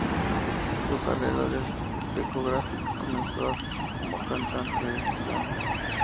Su carrera discográfica comenzó como cantante de sesión.